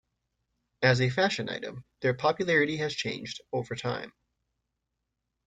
As a fashion item, their popularity has changed over time.